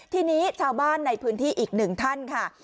ทีนี้ชาวบ้านในพื้นที่อีกหนึ่งท่านค่ะ